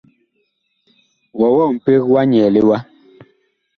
Wɔwɔɔ mpeg wa nyɛɛle wa ?